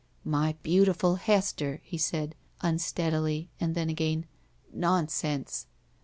"My beautiful Hester!" he said, tmsteadily, and then again, "Nonsense!"